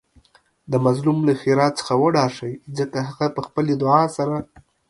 د مظلوم له ښیرا څخه وډار شئ ځکه هغه په خپلې دعاء سره